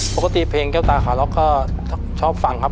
ปกติเพลงเจ้าตาคาล็อกก็ชอบฟังครับ